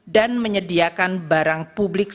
dan menyediakan barang publik